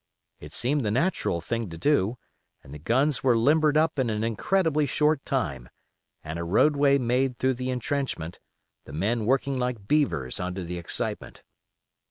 It seemed the natural thing to do, and the guns were limbered up in an incredibly short time, and a roadway made through the intrenchment, the men working like beavers under the excitement.